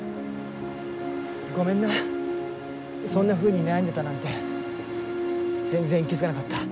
ごめんなそんなふうに悩んでたなんて全然気付かなかった。